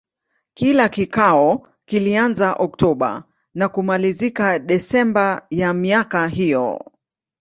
Kila kikao kilianza Oktoba na kumalizika Desemba ya miaka hiyo.